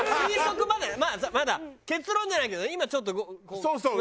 推測までまあまだ結論じゃないけど今ちょっとこう。